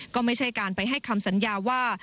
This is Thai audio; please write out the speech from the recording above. ก็ไม่ใช่การไปให้คำสัญญาว่า